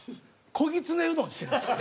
「小ぎつねうどん」にしてるんですよ。